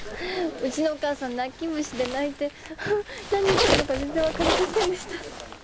うちのお母さん泣き虫で泣いて何言ってるのか全然わかりませんでした。